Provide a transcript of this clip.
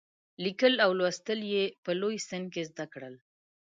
لیکل او لوستل یې په لوی سن کې زده کړل.